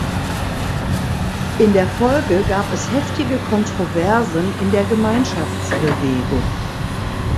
In der Folge gab es heftige Kontroversen in der Gemeinschaftsbewegung.